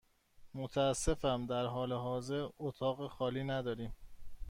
متأسفم، در حال حاضر اتاق خالی نداریم.